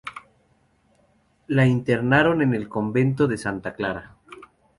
La internaron en el Convento de Santa Clara.